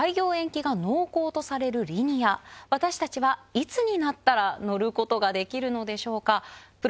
いつになったら乗る事ができるのでしょうか。